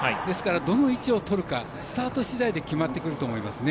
どの位置を取るかスタートで決まってくると思います。